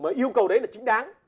mà yêu cầu đấy là chính đáng